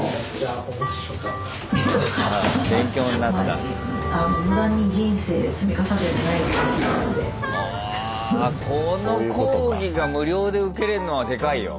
あこの講義が無料で受けれるのはでかいよ。